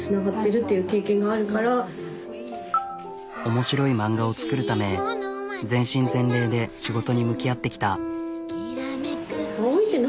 面白い漫画を作るため全身全霊で仕事に向き合ってきた。